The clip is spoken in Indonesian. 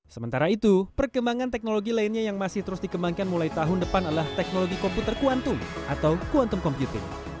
sementara itu perkembangan teknologi lainnya yang masih terus dikembangkan mulai tahun depan adalah teknologi komputer kuantum atau kuantum computing